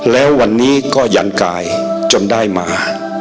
แล้ววันนี้ก็ยันกายจนได้มา